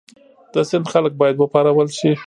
د سند خلک باید وپارول شي.